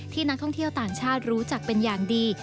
นักท่องเที่ยวต่างชาติรู้จักเป็นอย่างดี